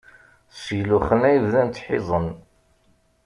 Seg luxen ay bdan ttḥiẓen.